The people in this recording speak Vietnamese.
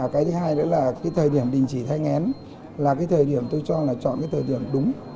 cái thứ hai nữa là cái thời điểm đình chỉ thai ngén là cái thời điểm tôi cho là chọn cái thời điểm đúng